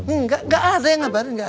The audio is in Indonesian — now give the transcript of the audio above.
enggak ada ya ngabarin